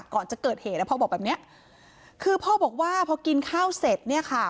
ก่อนจะเกิดเหตุแล้วพ่อบอกแบบเนี้ยคือพ่อบอกว่าพอกินข้าวเสร็จเนี่ยค่ะ